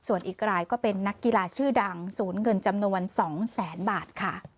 ส่วนอีกรายก็เป็นนักกีฬาชื่อดังสูญเงินจำนวน๒๐๐๐๐๐บาท